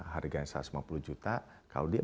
harganya satu ratus lima puluh juta kalau dia